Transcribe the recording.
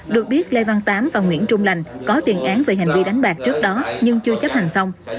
được biết lê văn tám và nguyễn trung lành có tiền án về hành vi đánh bạc trước đó nhưng chưa chấp hành xong